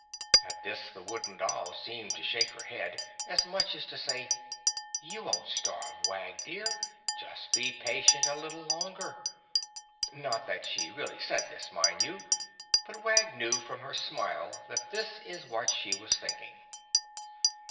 At this the wooden doll seemed to shake her head, as much as to say: "You won't starve, Wag dear; just be patient a little longer." Not that she really said this, mind you, but Wag knew from her smile that this is what she was thinking.